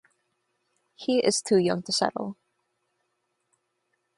He is too young to settle.